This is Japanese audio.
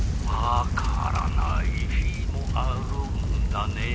「わからない日もあるんだね」